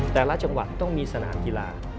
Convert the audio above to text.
แต่ละจังหวัดต้องมีสนามกีฬา